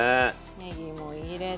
ねぎも入れて。